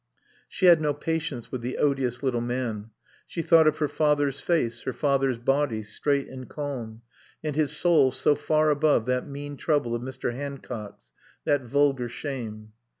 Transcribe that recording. She had no patience with the odious little man. She thought of her father's face, her father's body, straight and calm, and his soul so far above that mean trouble of Mr. Hancock's, that vulgar shame.